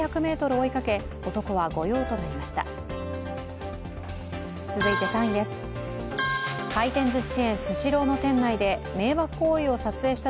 追いかけ男は御用となりました。